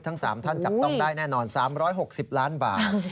ทั้ง๓ท่านจับต้องได้แน่นอน๓๖๐ล้านบาท